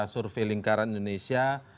survei lingkaran indonesia